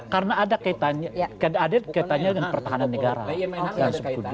karena ada kaitannya dengan pertahanan negara